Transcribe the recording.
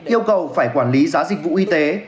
yêu cầu phải quản lý giá dịch vụ y tế